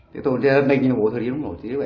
thì tôi bình tĩnh